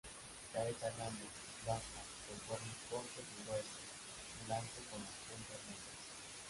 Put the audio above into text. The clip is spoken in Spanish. Cabeza grande, basta, con cuernos cortos y gruesos, blancos con las puntas negras.